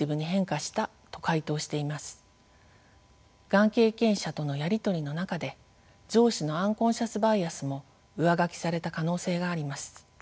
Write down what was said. がん経験者とのやり取りの中で上司のアンコンシャスバイアスも上書きされた可能性があります。